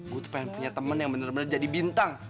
gue tuh pengen punya temen yang bener bener jadi bintang